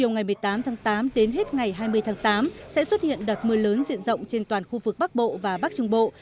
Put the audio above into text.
ngày hai mươi tháng tám sẽ xuất hiện đợt mưa lớn diện rộng trên toàn khu vực bắc bộ và bắc trung bộ